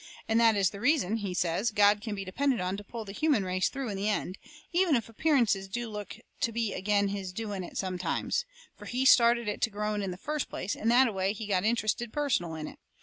And that is the reason, he says, God can be depended on to pull the human race through in the end, even if appearances do look to be agin His doing it sometimes, fur He started it to growing in the first place and that a way He got interested personal in it.